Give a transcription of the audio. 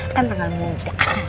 kan tanggal muda